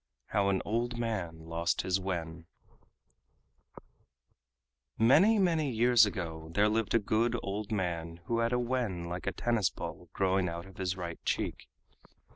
HOW AN OLD MAN LOST HIS WEN Many, many years ago there lived a good old man who had a wen like a tennis ball growing out of his right cheek.